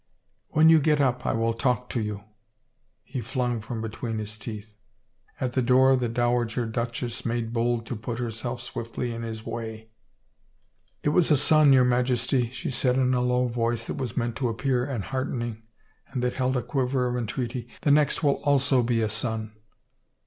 " When you get up I will talk to you," he flung from between his teeth. At the door the dowager duchess made bold to put herself swiftly in his way. 301 THE FAVOR OF KINGS " It was a son, your Majesty," she said in a low voice that was meant to appear enheartening and that held a quiver of entreaty. " The next will also be a son